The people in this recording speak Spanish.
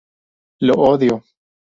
Lo odio.